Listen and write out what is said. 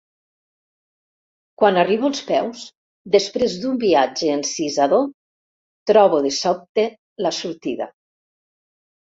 Quan arribo als peus, després d'un viatge encisador, trobo de sobte la sortida.